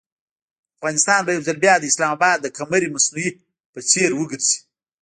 افغانستان به یو ځل بیا د اسلام اباد د قمر مصنوعي په څېر وګرځي.